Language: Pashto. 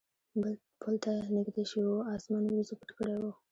پل ته نږدې شوي و، اسمان وریځو پټ کړی و.